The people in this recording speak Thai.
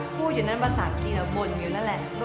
พูดอยู่นั่นภาษาอังกฤษแล้วบ่นอยู่นั่นแหละ